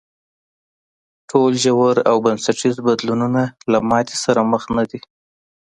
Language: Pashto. ټول ژور او بنسټیز بدلونونه له ماتې سره مخ نه دي.